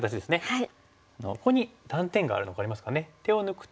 はい。